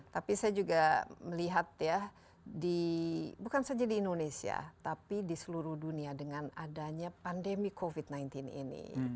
tapi saya juga melihat ya bukan saja di indonesia tapi di seluruh dunia dengan adanya pandemi covid sembilan belas ini